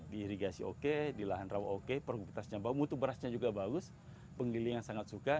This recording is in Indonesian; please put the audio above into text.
diirigasi oke di lahan rawa oke pergubitasnya bagus mutu berasnya juga bagus penggilingan sangat suka